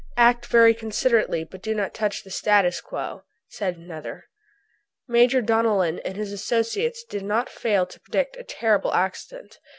"Act very considerately, but do not touch the 'statu[s] quo,'" said another. Major Donellan and his associates did not fail to predict a terrible accident.